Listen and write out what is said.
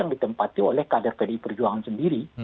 yang ditempati oleh kader pdi perjuangan sendiri